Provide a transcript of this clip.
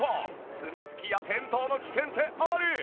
つまずきや転倒の危険性あり